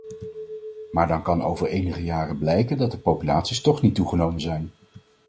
Maar dan kan over enige jaren blijken dat de populaties toch niet toegenomen zijn.